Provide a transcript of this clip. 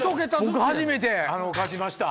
僕初めて勝ちました